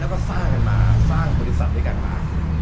แล้วก็สร้างกันมาสร้างบริษัทด้วยกันมา